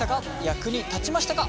役に立ちましたか？